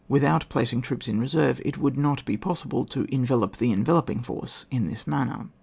Without placing troops in re serve it would not be possible to envelop the enveloping force in this manner.